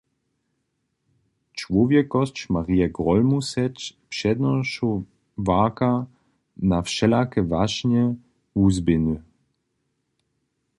Čłowjeskosć Marje Grólmusec přednošowarka na wšelake wašnje wuzběhny.